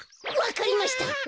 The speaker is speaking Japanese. わかりました！